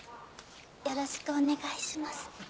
よろしくお願いします。